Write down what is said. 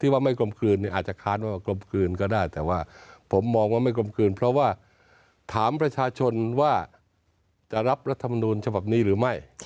ว่าไม่กลมกลืนอาจจะค้านว่ากลมกลืนก็ได้แต่ว่าผมมองว่าไม่กลมกลืนเพราะว่าถามประชาชนว่าจะรับรัฐมนูลฉบับนี้หรือไม่